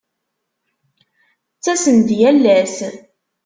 Ttasen-d yal ass.